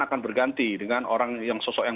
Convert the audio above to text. akan berganti dengan orang yang sosok yang